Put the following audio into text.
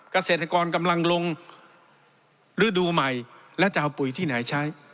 เกษตรกรกำลังลงฤดูใหม่และจะเอาปุ๋ยที่ไหนใช้